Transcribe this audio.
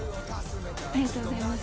ありがとうございます。